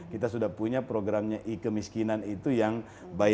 kita sudah punya programnya i kemiskinan itu yang baik